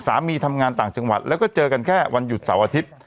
ทำงานต่างจังหวัดแล้วก็เจอกันแค่วันหยุดเสาร์อาทิตย์